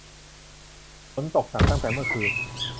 ฝนตกหนักตั้งแต่เมื่อคืน